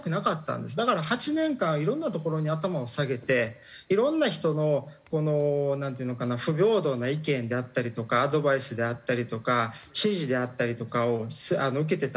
だから８年間いろんなところに頭を下げていろんな人のなんていうのかな不平等な意見であったりとかアドバイスであったりとか指示であったりとかを受けてたんですね。